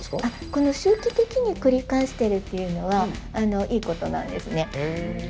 この周期的に繰り返してるっていうのはいいことなんですね